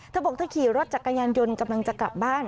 เธอบอกเธอขี่รถจักรยานยนต์กำลังจะกลับบ้าน